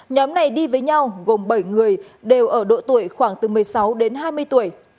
nhóm này đi với nhau gồm bảy người đều ở độ tuổi khoảng từ một mươi sáu đến hai mươi tuổi